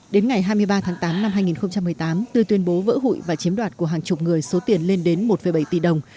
đến ngày hai mươi ba tháng tám năm hai nghìn một mươi tám tư tuyên bố vỡ hụi và chiếm đoạt của hàng chục người số tiền lên đến một bảy tỷ đồng